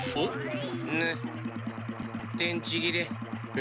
え？